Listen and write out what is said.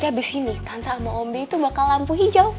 tante abis ini tante sama ombe itu bakal lampu hijau